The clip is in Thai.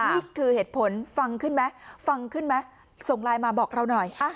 นี่คือเหตุผลฟังขึ้นไหมฟังขึ้นไหมส่งไลน์มาบอกเราหน่อย